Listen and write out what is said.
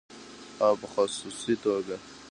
او په خصوصي توګه